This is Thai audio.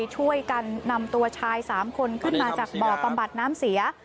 ช่วยกันนำตัวชาย๓คนขึ้นมาจากบ่อบำบัดน้ำเสีย